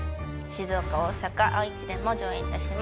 静岡大阪愛知でも上演いたします。